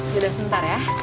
jelas ntar ya